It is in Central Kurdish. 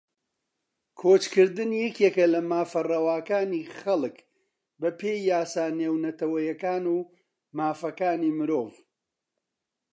کۆچکردن یەکێکە لە مافە ڕەواکانی خەڵک بەپێی یاسا نێونەتەوەییەکان و مافەکانی مرۆڤ